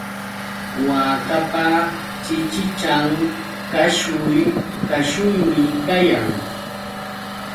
Waakapa chichichan kashuy kashuymi kayan.